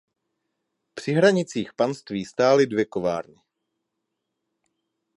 Při hranicích panství stály dvě kovárny.